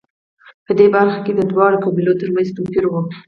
په دې برخه کې هم د دواړو قبیلو ترمنځ توپیر و